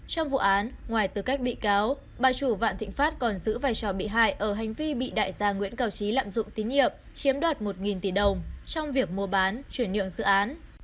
trong vụ án ngoài tư cách bị cáo bà chủ vạn thịnh pháp còn giữ vai trò bị hại ở hành vi bị đại gia nguyễn cao trí lạm dụng tín nhiệm chiếm đoạt một tỷ đồng trong việc mua bán chuyển nhượng dự án